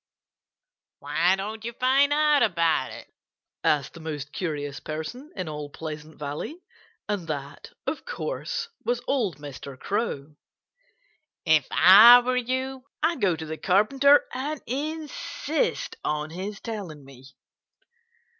"Why don't you find out about it?" asked the most curious person in all Pleasant Valley and that, of course, was old Mr. Crow. "If I were you I'd go to the Carpenter and insist on his telling me."